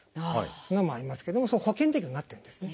そんなのもありますけどもそれ保険適用になってるんですね。